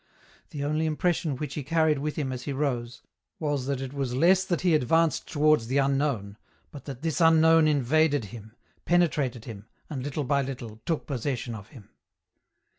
The only impression which he carried with him as he rose, was that it was less that he advanced towards the unknown, but that this unknown invaded him, penetrated him, and little by little took possession of him.